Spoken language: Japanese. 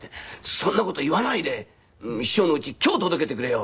「そんな事言わないで師匠の家に今日届けてくれよ」